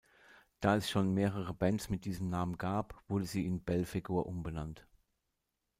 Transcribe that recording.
Da es schon mehrere Bands mit diesem Namen gab, wurde sie in Belphegor umbenannt.